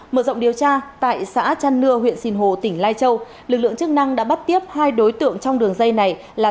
mở rộng điều tra tại xã trăn nưa huyện sinh hồ tỉnh lai châu lực lượng chức năng đã bắt tiếp hai đối tượng trong đường dây này là